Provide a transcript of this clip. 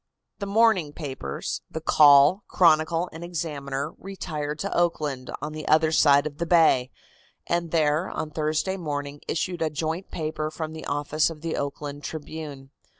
The morning papers, the Call, Chronicle and Examiner, retired to Oakland, on the other side of the bay, and there, on Thursday morning, issued a joint paper from the office of the Oakland Tribune.